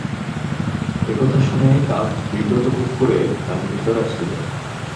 একথা শুনে কাব বিব্রত বোধ করে তাকে ভেতরে আসতে দেন।